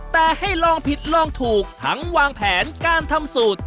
แต่ให้ลองผิดลองถูกทั้งวางแผนการทำสูตร